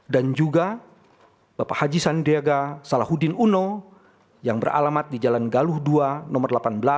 dan juga bapak haji sandiaga salahuddin uno yang beralamat di jalan galuh dua nomor delapan belas